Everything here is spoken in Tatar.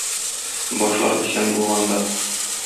Башлар исән булганда.